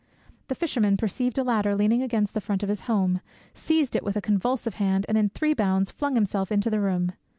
The fisherman perceived a ladder leaning against the front of his home, seized it with a convulsive hand, and in three bounds flung himself into the room.